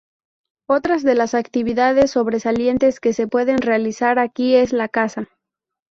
Otras de las actividades sobresalientes que se pueden realizar aquí es la caza.